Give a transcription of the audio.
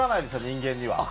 人間には。